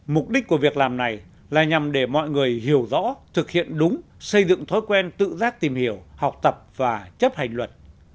mục đích của việc làm này là nhằm để mọi người hiểu rõ thực hiện đúng xây dựng thói quen tự giác tìm hiểu học tập và chấp hành luật